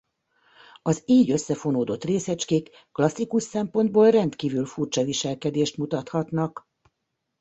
Az így összefonódott részecskék klasszikus szempontból rendkívül furcsa viselkedést mutathatnak.